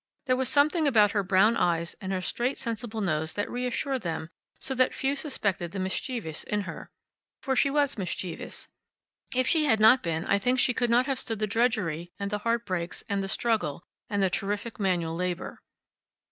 There was something about her brown eyes and her straight, sensible nose that reassured them so that few suspected the mischievous in her. For she was mischievous. If she had not been I think she could not have stood the drudgery, and the heartbreaks, and the struggle, and the terrific manual labor.